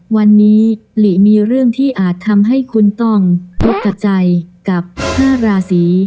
วันนี้หลีมีเรื่องที่อาจทำให้คุณต้องรกกับใจกับ๕ราศี